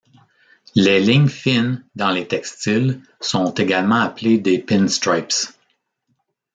Les lignes fines dans les textiles sont également appelées des pinstripes.